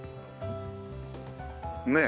ねえ。